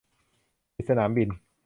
ปิดสนามบิน